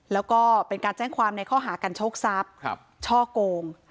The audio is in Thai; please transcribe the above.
แล้วก็เป็นการแจ้งความในข้อหากันโชคทรัพย์ช่อโกง